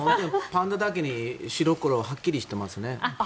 パンダだけに白黒はっきりしてますね。